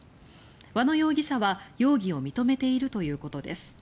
和野容疑者は容疑を認めているということです。